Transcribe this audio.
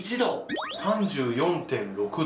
３４．６℃！